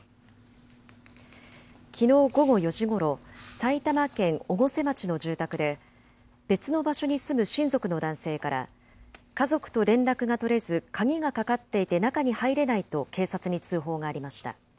きのう午後４時ごろ、埼玉県越生町の住宅で、別の場所に住む親族の男性から、家族と連絡が取れず、鍵がかかっていて中に入れないと、警察に通報がありました。